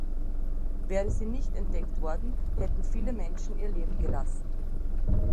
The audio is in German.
Wäre sie nicht entdeckt worden, hätten viele Menschen ihr Leben gelassen.